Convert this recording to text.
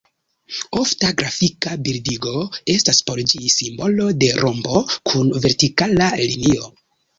Ofta grafika bildigo estas por ĝi simbolo de rombo kun vertikala linio.